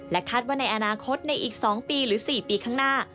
คาดว่าในอนาคตในอีก๒ปีหรือ๔ปีข้างหน้า